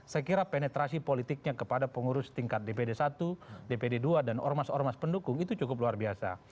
sekira penetrasi politiknya kepada pengurus tingkat dpd i dpd ii dan ormas ormas pendukung itu cukup luar biasa